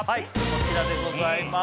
こちらでございます